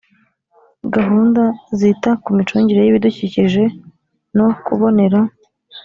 gahunda zita ku micungire y ibidukikije no kubonera